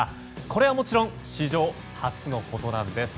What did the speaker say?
これは、もちろん史上初のことなんです。